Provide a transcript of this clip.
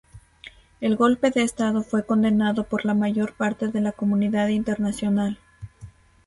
El golpe de Estado fue condenado por la mayor parte de la comunidad internacional.